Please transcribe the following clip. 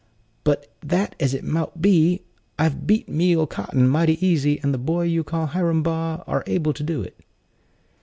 "Be that as it mout be, I've beat Meal 'Cotton mighty easy; and the boy you call Hiram Baugh are able to do it."